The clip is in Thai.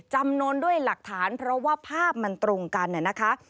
จำนวนด้วยหลักฐานเพราะว่าภาพมันตรงกันนะคะ